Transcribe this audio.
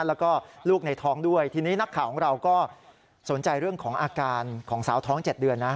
แล้วก็ลูกในท้องด้วยทีนี้นักข่าวของเราก็สนใจเรื่องของอาการของสาวท้อง๗เดือนนะ